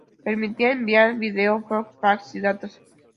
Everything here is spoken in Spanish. Permitirá enviar video, voz, fax y datos.